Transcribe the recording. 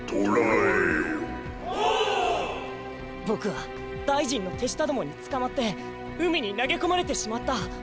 ボクは大臣のてしたどもにつかまってうみになげこまれてしまった。